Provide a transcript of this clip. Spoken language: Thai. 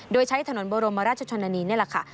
โดยใช้ถนนบรมราชชนนานีนี่แหละค่ะ